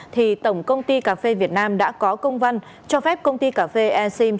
thì tổng công ty cà phê việt nam đã có công văn cho phép công ty cà phê airseam